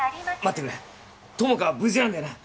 待ってくれ友果は無事なんだよな？